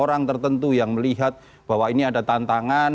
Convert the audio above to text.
orang tertentu yang melihat bahwa ini ada tantangan